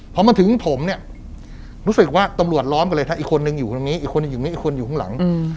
พอมาถึงผมเนี่ยรู้สึกว่าตำรวจล้อมกันเลยถ้าอีกคนนึงอยู่ตรงนี้อีกคนหนึ่งอยู่ตรงนี้อีกคนอยู่ข้างหลัง